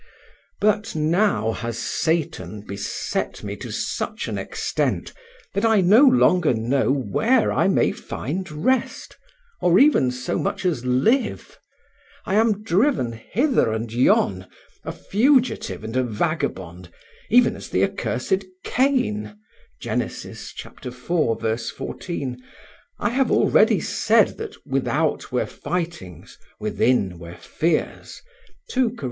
But now has Satan beset me to such an extent that I no longer know where I may find rest, or even so much as live. I am driven hither and yon, a fugitive and a vagabond, even as the accursed Cain (Gen. iv, 14). I have already said that "without were fightings, within were fears" (II Cor.